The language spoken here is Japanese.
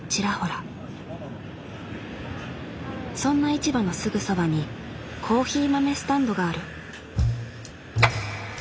そんな市場のすぐそばにコーヒー豆スタンドがある。